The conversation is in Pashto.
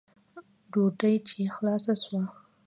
ډوډۍ چې خلاصه سوه.